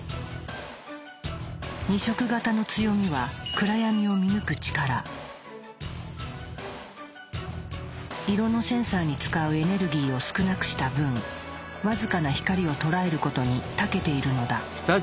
２色型の強みは色のセンサーに使うエネルギーを少なくした分僅かな光を捉えることにたけているのだ。